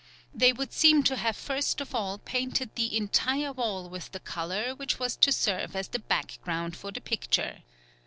They would seem to have first of all painted the entire wall with the colour which was to serve as the background for the picture.